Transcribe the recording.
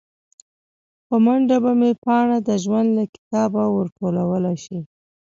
په منډه به مې پاڼه د ژوند له کتابه ور ټوله شي